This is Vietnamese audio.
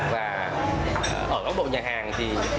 và ở lúc độ nhà hàng thì